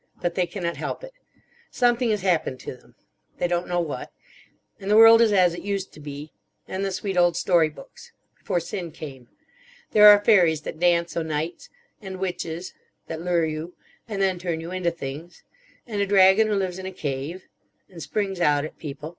But they cannot help it. Something has happened to them. They don't know what. And the world is as it used to be. In the sweet old story books. Before sin came. There are fairies that dance o' nights. And Witches. That lure you. And then turn you into things. And a dragon who lives in a cave. And springs out at people.